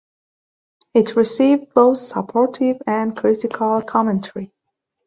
It received both supportive and critical commentary.